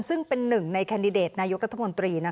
ซึ่งเป็นหนึ่งในแคนดิเดตนายกรัฐมนตรี